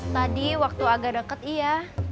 tadi waktu agak dekat iya